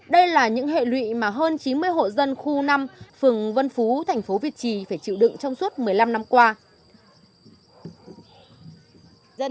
đây là những hệ lụy mà hơn chỉ có một số người